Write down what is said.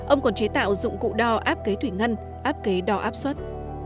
ông còn chế tạo dụng cụ đo áp kế thủy ngân áp kế đo áp suất